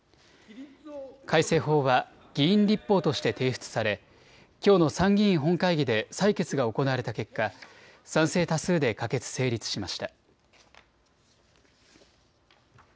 改正法は議員立法として提出されきょうの参議院本会議で採決が行われた結果、賛成多数で可決・成立しました。